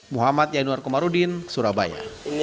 muhammad yanur komarudin surabaya